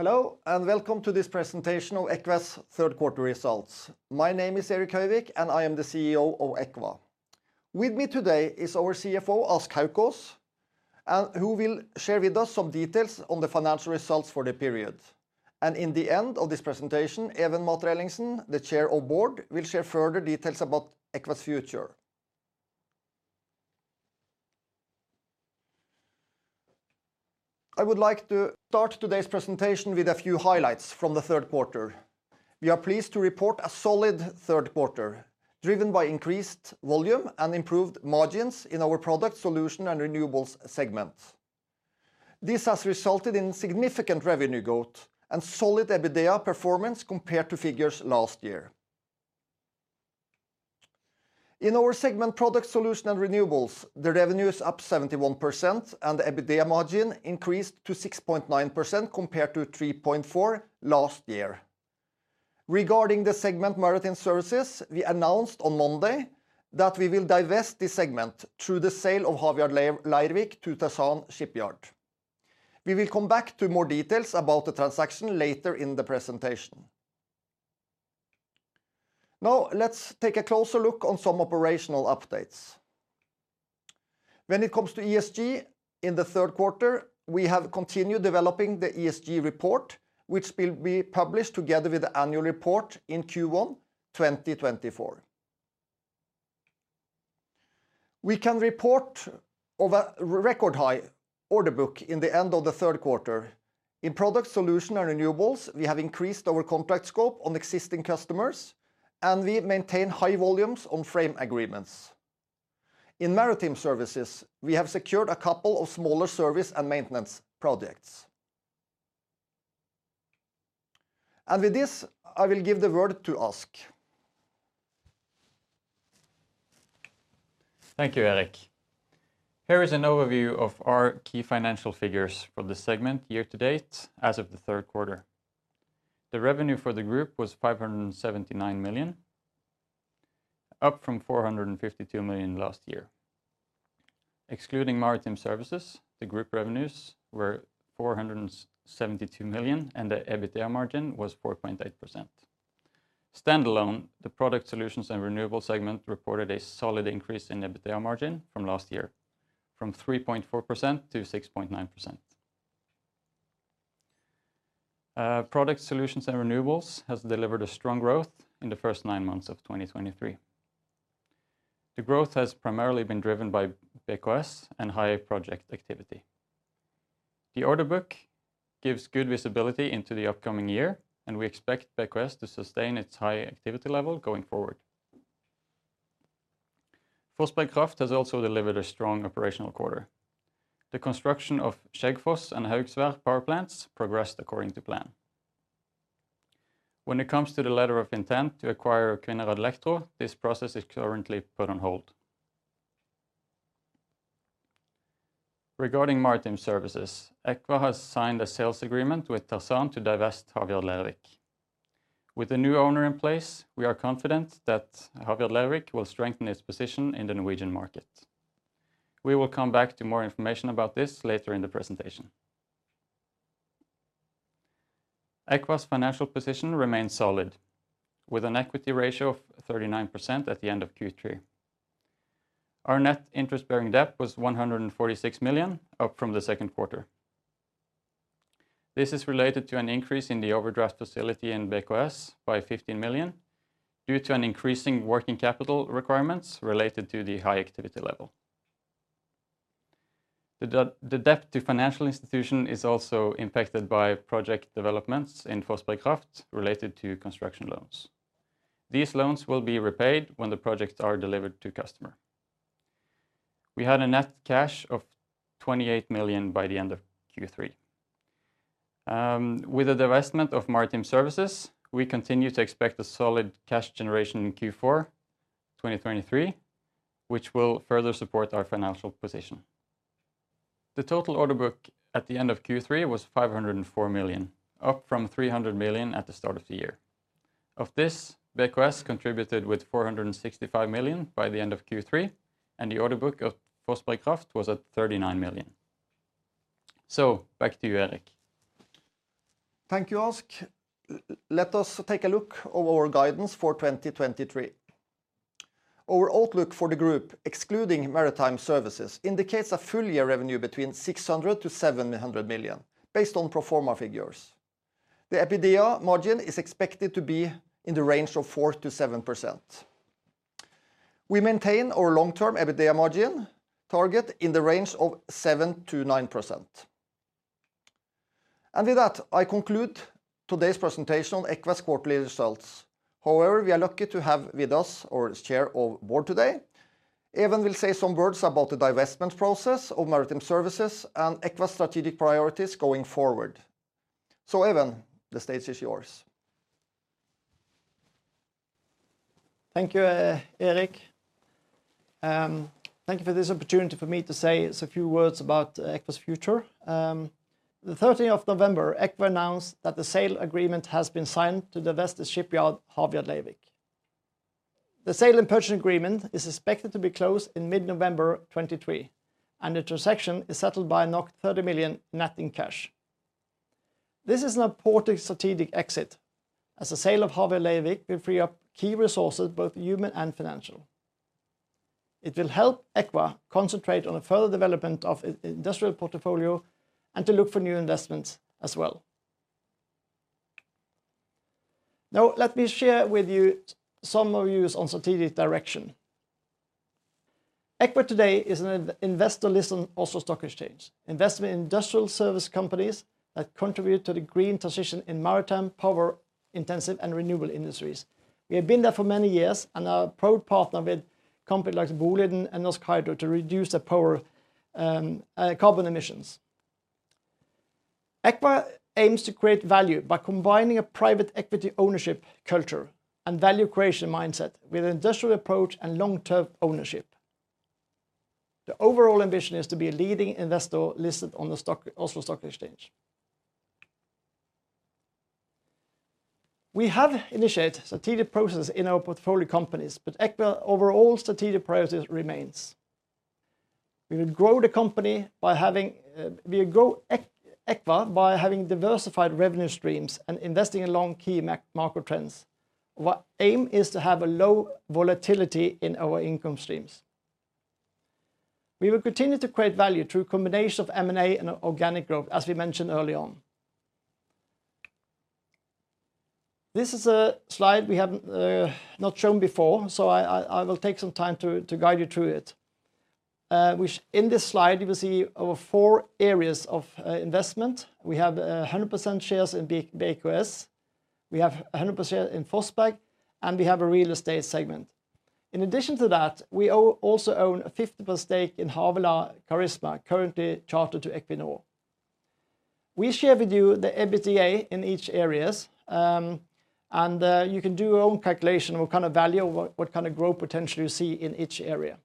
Hello, and welcome to this presentation of Eqva's third quarter results. My name is Erik Høyvik, and I am the CEO of Eqva. With me today is our CFO, Ask Haukaas, and who will share with us some details on the financial results for the period. In the end of this presentation, Even Matre Ellingsen, the Chair of the Board, will share further details about Eqva's future. I would like to start today's presentation with a few highlights from the third quarter. We are pleased to report a solid third quarter, driven by increased volume and improved margins in our Product Solution and Renewables segment. This has resulted in significant revenue growth and solid EBITDA performance compared to figures last year. In our segment, Products, Solutions and Renewables, the revenue is up 71% and the EBITDA margin increased to 6.9%, compared to 3.4% last year. Regarding the segment, Maritime Services, we announced on Monday that we will divest this segment through the sale of Havyard Leirvik to Tersan Shipyard. We will come back to more details about the transaction later in the presentation. Now, let's take a closer look on some operational updates. When it comes to ESG in the third quarter, we have continued developing the ESG report, which will be published together with the annual report in Q1 2024. We can report of a record-high order book in the end of the third quarter. In Products, Solutions and Renewables, we have increased our contract scope on existing customers, and we maintain high volumes on frame agreements. In Maritime Services, we have secured a couple of smaller service and maintenance projects. With this, I will give the word to Ask. Thank you, Erik. Here is an overview of our key financial figures for the segment year to date as of the third quarter. The revenue for the group was 579 million, up from 452 million last year. Excluding Maritime Services, the group revenues were 472 million, and the EBITDA margin was 4.8%. Standalone, the Product Solutions and Renewables segment reported a solid increase in EBITDA margin from last year, from 3.4% to 6.9%. Product Solutions and Renewables has delivered a strong growth in the first nine months of 2023. The growth has primarily been driven by BKS and high project activity. The order book gives good visibility into the upcoming year, and we expect BKS to sustain its high activity level going forward. Fossberg Kraft has also delivered a strong operational quarter. The construction of Skjeggfoss and Haugsvær power plants progressed according to plan. When it comes to the letter of intent to acquire Kvinnherad Elektro, this process is currently put on hold. Regarding Maritime Services, Eqva has signed a sales agreement with Tersan to divest Havyard Leirvik. With the new owner in place, we are confident that Havyard Leirvik will strengthen its position in the Norwegian market. We will come back to more information about this later in the presentation. Eqva's financial position remains solid, with an equity ratio of 39% at the end of Q3. Our net interest-bearing debt was 146 million, up from the second quarter. This is related to an increase in the overdraft facility in BKS by 15 million, due to an increasing working capital requirements related to the high activity level. The debt to financial institution is also impacted by project developments in Fossberg Kraft related to construction loans. These loans will be repaid when the projects are delivered to customer. We had a net cash of 28 million by the end of Q3. With the divestment of Maritime Services, we continue to expect a solid cash generation in Q4 2023, which will further support our financial position. The total order book at the end of Q3 was 504 million, up from 300 million at the start of the year. Of this, BKS contributed with 465 million by the end of Q3, and the order book of Fossberg Kraft was at 39 million. So back to you, Erik. Thank you, Ask. Let us take a look at our guidance for 2023. Our outlook for the group, excluding Maritime Services, indicates a full year revenue between 600 million-700 million, based on pro forma figures. The EBITDA margin is expected to be in the range of 4%-7%. We maintain our long-term EBITDA margin target in the range of 7%-9%. And with that, I conclude today's presentation on Eqva's quarterly results. However, we are lucky to have with us our chair of the board today. Even will say some words about the divestment process of Maritime Services and Eqva's strategic priorities going forward. So, Even, the stage is yours. Thank you, Erik. Thank you for this opportunity for me to say a few words about Eqva's future. The 13 November, Eqva announced that the sale agreement has been signed to divest the shipyard, Havyard Leirvik. The sale and purchase agreement is expected to be closed in mid-November 2023, and the transaction is settled by 30 million net in cash. This is an important strategic exit, as the sale of Havyard Leirvik will free up key resources, both human and financial. It will help Eqva concentrate on a further development of its industrial portfolio and to look for new investments as well. Now, let me share with you some of our views on strategic direction. Eqva today is an investor listed on Oslo Stock Exchange, investment in industrial service companies that contribute to the green transition in maritime, power-intensive, and renewable industries. We have been there for many years and are a proud partner with companies like Boliden and Norsk Hydro to reduce their power carbon emissions. Eqva aims to create value by combining a private equity ownership culture and value creation mindset with an industrial approach and long-term ownership. The overall ambition is to be a leading investor listed on the stock Oslo Stock Exchange. We have initiated strategic process in our portfolio companies, but Eqva overall strategic priority remains. We will grow the company by having we grow Eqva by having diversified revenue streams and investing in long key macro market trends. Our aim is to have a low volatility in our income streams. We will continue to create value through a combination of M&A and organic growth, as we mentioned early on. This is a slide we have not shown before, so I will take some time to guide you through it. Which in this slide, you will see our four areas of investment. We have 100% shares in BKS. We have 100% in Fossberg, and we have a Real Estate segment. In addition to that, we also own a 50% stake in Havila Charisma, currently chartered to Equinor. We share with you the EBITDA in each areas, and you can do your own calculation on what kind of value, or what kind of growth potential you see in each area.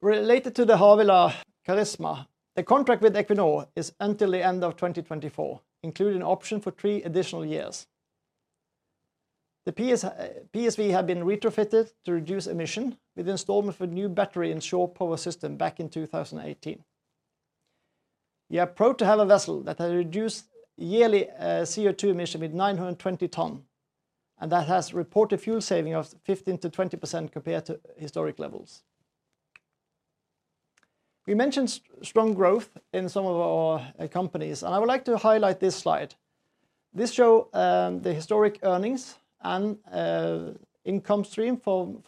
Related to the Havila Charisma, the contract with Equinor is until the end of 2024, including an option for three additional years. The PSV have been retrofitted to reduce emissions, with the installation of a new battery and shore power system back in 2018. We are proud to have a vessel that has reduced yearly CO₂ emissions by 920 tons, and that has reported fuel savings of 15%-20% compared to historic levels. We mentioned strong growth in some of our companies, and I would like to highlight this slide. This shows the historic earnings and income stream from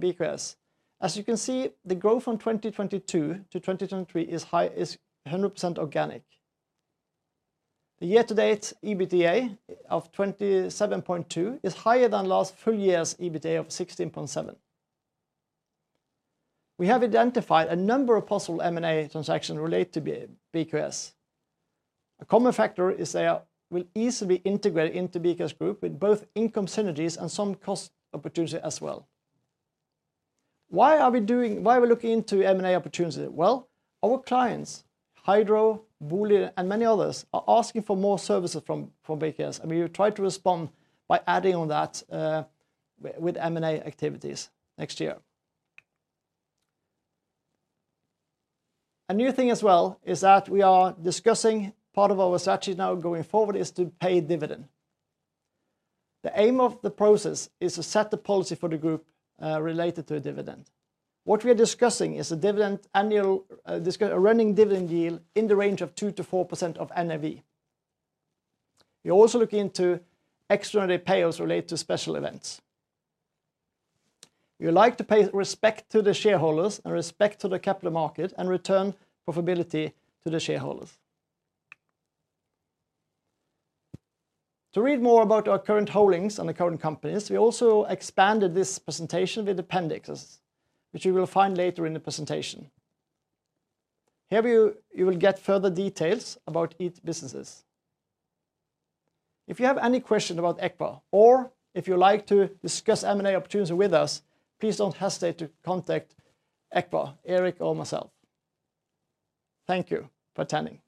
BKS. As you can see, the growth from 2022 to 2023 is high, is 100% organic. The year-to-date EBITDA of 27.2 is higher than last full year's EBITDA of 16.7. We have identified a number of possible M&A transactions related to BKS. A common factor is they are, will easily be integrated into BKS Group with both income synergies and some cost opportunity as well. Why are we looking into M&A opportunities? Well, our clients, Hydro, Boliden, and many others, are asking for more services from BKS, and we will try to respond by adding on that with M&A activities next year. A new thing as well is that we are discussing part of our strategy now going forward is to pay dividend. The aim of the process is to set the policy for the group related to a dividend. What we are discussing is a dividend annual, discuss a running dividend yield in the range of 2%-4% of NAV. We are also looking into extraordinary payouts related to special events. We would like to pay respect to the shareholders and respect to the capital market and return profitability to the shareholders. To read more about our current holdings and the current companies, we also expanded this presentation with appendixes, which you will find later in the presentation. Here, you will get further details about each businesses. If you have any question about Eqva, or if you'd like to discuss M&A opportunities with us, please don't hesitate to contact Eqva, Erik, or myself. Thank you for attending.